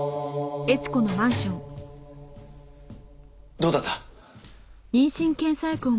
どうだった？